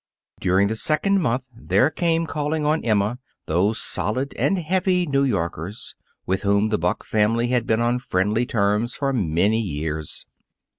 During the second month there came calling on Emma, those solid and heavy New Yorkers, with whom the Buck family had been on friendly terms for many years.